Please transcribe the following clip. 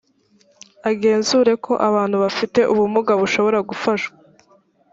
agenzure ko abantu bafite ubumuga bashobora gufashwa